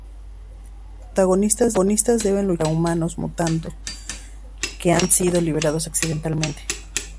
Los protagonistas deben luchar contra unos humanos mutados que han sido liberados accidentalmente.